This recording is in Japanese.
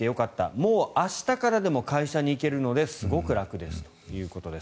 もう明日からでも会社に行けるのですごく楽ですということです。